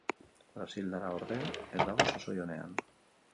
Brasildarra, ordea, ez dago sasoi onean.